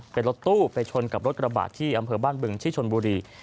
เป็นรถตู้ไปชนกับรถกระบาดที่อำเภอบ้านบึงที่ชนบุรี